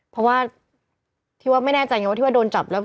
เพราะว่าที่ว่าไม่แน่ใจไงว่าที่ว่าโดนจับแล้ว